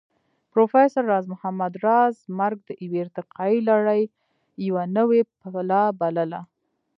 پروفېسر راز محمد راز مرګ د يوې ارتقائي لړۍ يوه نوې پله بلله